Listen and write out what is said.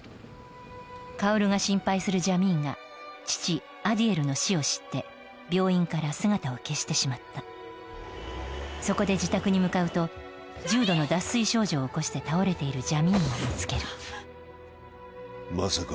薫が心配するジャミーンが父アディエルの死を知って病院から姿を消してしまったそこで自宅に向かうと重度の脱水症状を起こして倒れているジャミーンを見つけるまさか